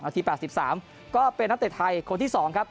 ที๘๓ก็เป็นนักเตะไทยคนที่๒ครับ